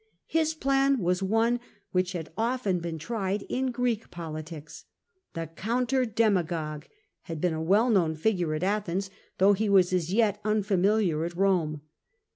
His plan was one which had often been tried in Greek politics. The counter demagogue had been a well known figure at Athens, though he was as yet unfamiliar at Eome.